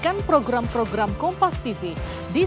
sangat memungkinkan sangat memungkinkan